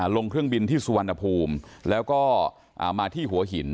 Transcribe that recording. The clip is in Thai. ลงเครื่องบินที่สุวรรณภูมิแล้วก็มาที่หัวหิน